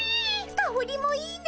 かおりもいいね。